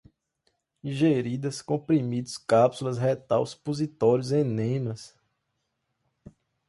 ingeridas, comprimidos, cápsulas, retal, supositórios, enemas